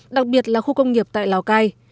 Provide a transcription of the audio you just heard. đặc biệt là khu công nghiệp tại lào cai